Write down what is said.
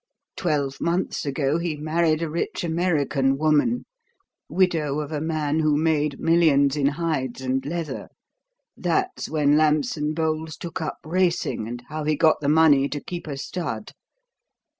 Twelve months ago he married a rich American woman widow of a man who made millions in hides and leather. That's when Lambson Bowles took up racing, and how he got the money to keep a stud.